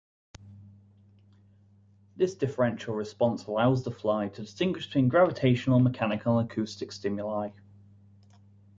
This differential response allows the fly to distinguish between gravitational, mechanical, and acoustic stimuli.